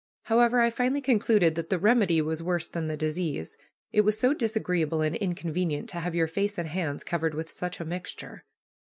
However, I finally concluded that the remedy was worse than the disease, it was so disagreeable and inconvenient to have your face and hands covered with such a mixture.